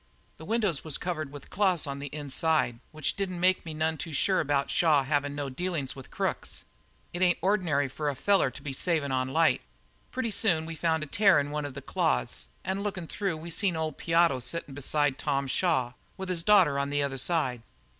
The windows was covered with cloths on the inside, which didn't make me none too sure about Shaw havin' no dealin's with crooks. It ain't ordinary for a feller to be so savin' on light. Pretty soon we found a tear in one of the cloths, and lookin' through that we seen old Piotto sittin' beside Tom Shaw with his daughter on the other side.